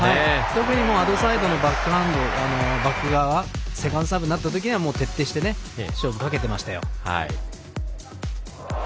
特にアドサイドのバック側、セカンドサービスになった時には徹底して勝負かけてましたよ。